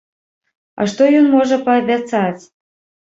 А што ён можа паабяцаць?